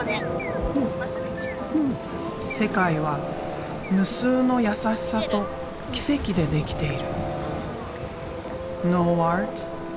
世界は無数の優しさと奇跡でできている。